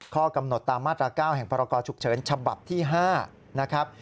ข้อกำหนดตามมาตรา๙แห่งพรกรฉุกเฉินฉบับที่๕นะครับ